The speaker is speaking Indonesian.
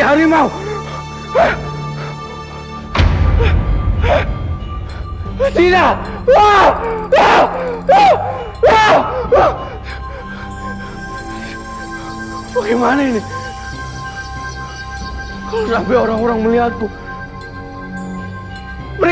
kukusturah lebih baik dengan iq punya ray triming